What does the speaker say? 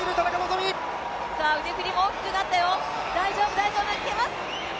腕振りも大きくなったよ、大丈夫、大丈夫、行けます！